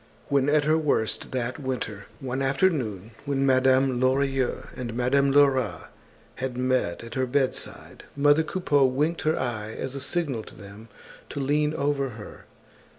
When at her worst that winter, one afternoon, when Madame Lorilleux and Madame Lerat had met at her bedside, mother Coupeau winked her eye as a signal to them to lean over her.